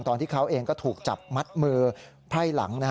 ตอนที่เขาเองก็ถูกจับมัดมือไพร่หลัง